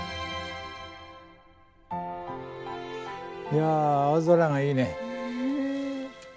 いや青空がいいね。